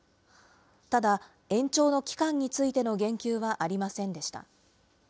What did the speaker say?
ただ、延長の期間についての言及はありませんでした。